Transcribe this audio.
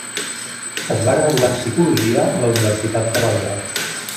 Es va graduar en Psicologia a la Universitat de Belgrad.